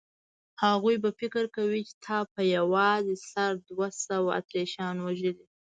هغوی به فکر کوي چې تا په یوازې سره دوه سوه اتریشیان وژلي.